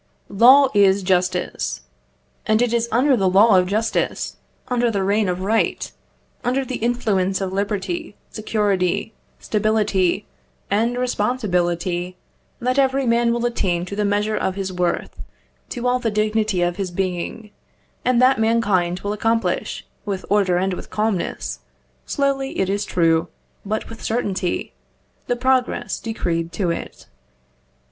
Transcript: Law is justice. And it is under the law of justice, under the reign of right, under the influence of liberty, security, stability, and responsibility, that every man will attain to the measure of his worth, to all the dignity of his being, and that mankind will accomplish, with order and with calmness slowly, it is true, but with certainty the progress decreed to it.